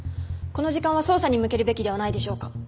この時間は捜査に向けるべきではないでしょうか。